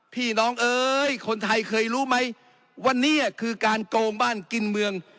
น้องเอ้ยคนไทยเคยรู้ไหมวันนี้คือการโกงบ้านกินเมือง